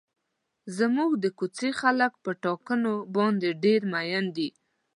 زموږ د کوڅې خلک په ټاکنو باندې ډېر مین دي.